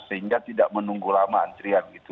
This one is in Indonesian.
sehingga tidak menunggu lama antrian gitu